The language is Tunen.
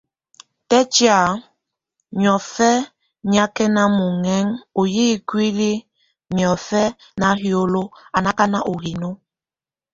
Tɛ́tiak, miɔfɛ nyákɛna muɛŋɛŋ o yʼ íkulik miɔfɛ náhiolok, a nákan o hino.